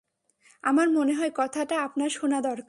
আমার মনে হয় কথাটা আপনার শোনা দরকার।